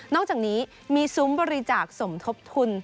อกจากนี้มีซุ้มบริจาคสมทบทุน